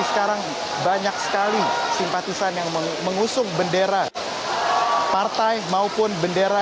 sekarang banyak sekali simpatisan yang mengusung bendera partai maupun bendera